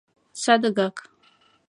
садыгак